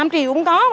năm triệu cũng có